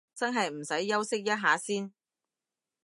真係唔使休息一下先？